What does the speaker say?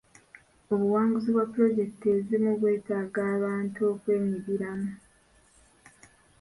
Obuwanguzi bwa pulojekiti ezimu bwetaaga abantu okwenyigiramu.